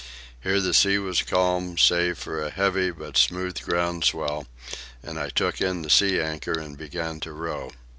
Here the sea was calm, save for a heavy but smooth ground swell, and I took in the sea anchor and began to row.